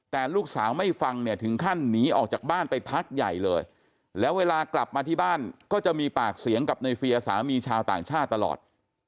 แต่ลูกสาวไม่ฟังเนี่ยถึงขั้นหนีออกจากบ้านไปพักใหญ่เลยแล้วเวลากลับมาที่บ้านก็จะมีปากเสียงกับในเฟียร์สามีชาวต่างชาติตลอด